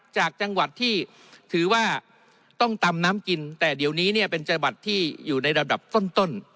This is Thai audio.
จากจังหวัดที่ถือว่าต้องตำน้ำกินแต่เดี๋ยวนี้เนี่ยเป็นจังหวัดที่อยู่ในระดับต้น